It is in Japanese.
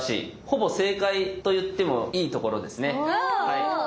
ほぼ正解と言ってもいいところですね。